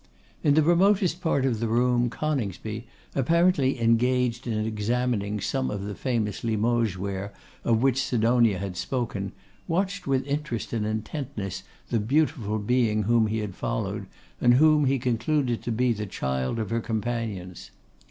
In the remotest part of the room, Coningsby, apparently engaged in examining some of that famous Limoges ware of which Sidonia had spoken, watched with interest and intentness the beautiful being whom he had followed, and whom he concluded to be the child of her companions.